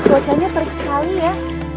wajahnya perik sekali ya